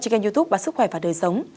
trên kênh youtube sức khỏe và đời sống